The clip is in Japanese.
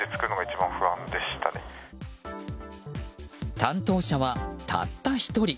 担当者は、たった１人。